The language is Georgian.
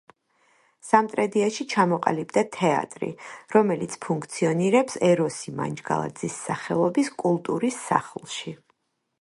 სამტრედიაში ჩამოყალიბდა თეატრი, რომელიც ფუნქციონირებს ეროსი მანჯგალაძის სახელობის კულტურის სახლში.